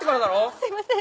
すいません。